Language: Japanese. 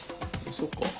そうか。